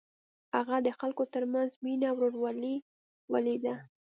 هغه د خلکو تر منځ مینه او ورورولي ولیده.